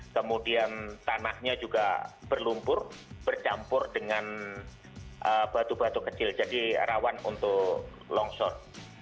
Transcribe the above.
kemudian tanahnya juga berlumpur bercampur dengan batu batu kecil jadi rawan untuk longsor